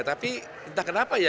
tapi entah kenapa ya